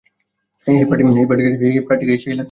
হেই, party guy, সেই লাগছে না?